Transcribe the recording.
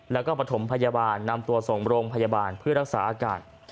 แล้วก็ประถมพยาบาลนำตัวส่งโรงพยาบาลเพื่อรักษาอากาศ